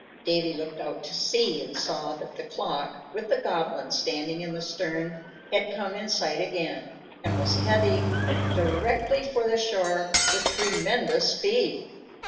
Davy looked out to sea, and saw that the clock, with the Goblin standing in the stern, had come in sight again, and was heading directly for the shore with tremendous speed.